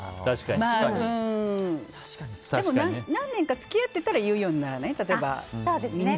まあ、でも何年か付き合ってたら言うようにならないかな。